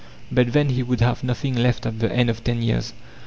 But then he would have nothing left at the end of ten years.